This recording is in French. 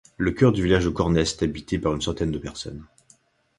Le cœur du village de Cornesse est habité par une centaine de personnes.